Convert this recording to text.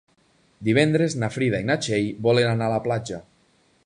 Divendres na Frida i na Txell volen anar a la platja.